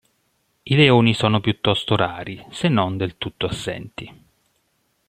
I leoni sono piuttosto rari se non del tutto assenti.